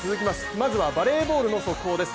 まずはバレーボールの速報です。